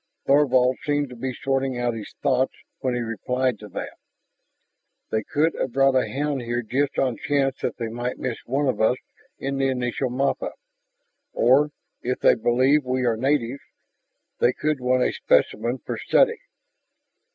Thorvald seemed to be sorting out his thoughts when he replied to that. "They could have brought a hound here just on chance that they might miss one of us in the initial mop up. Or, if they believe we are natives, they could want a specimen for study."